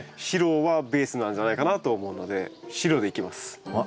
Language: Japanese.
白はベースなんじゃないかなと思うので白でいきます。